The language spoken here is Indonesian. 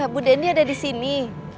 bu dendy ada disini